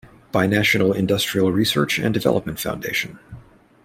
Binational Industrial Research and Development Foundation.